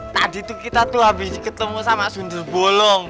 tadi tuh kita tuh habis ketemu sama sundur bolong